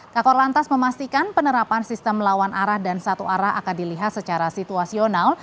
kakor lantas memastikan penerapan sistem melawan arah dan satu arah akan dilihat secara situasional